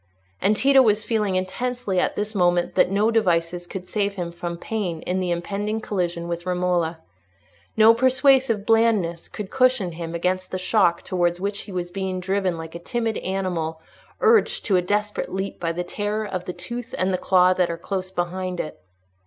And Tito was feeling intensely at this moment that no devices could save him from pain in the impending collision with Romola; no persuasive blandness could cushion him against the shock towards which he was being driven like a timid animal urged to a desperate leap by the terror of the tooth and the claw that are close behind it.